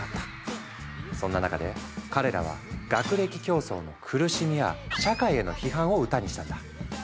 そんな中で彼らは学歴競争の苦しみや社会への批判を歌にしたんだ。